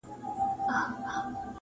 له خوښیو په جامو کي نه ځاېږي.